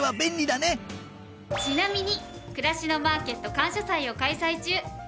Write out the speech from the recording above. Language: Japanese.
ちなみにくらしのマーケット感謝祭を開催中。